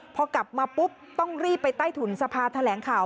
พอกลับมาปุ๊บต้องรีบไปใต้ถุนสภาแถลงข่าว